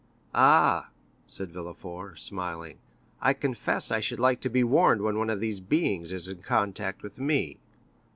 "Ah," said Villefort, smiling, "I confess I should like to be warned when one of these beings is in contact with me."